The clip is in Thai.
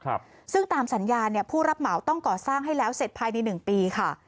ครับซึ่งตามสัญญาเนี่ยผู้รับเหมาต้องก่อสร้างให้แล้วเสร็จภายในหนึ่งปีค่ะ